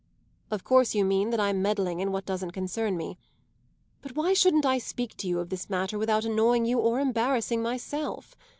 "Of course you mean that I'm meddling in what doesn't concern me. But why shouldn't I speak to you of this matter without annoying you or embarrassing myself?